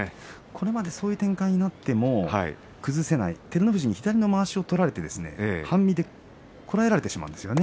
これまでそういう展開になっても崩せない照ノ富士に左のまわしを取られて半身でこらえられてしまうんです。